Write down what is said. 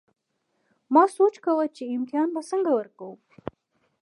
ما سوچ کوو چې امتحان به څنګه ورکوم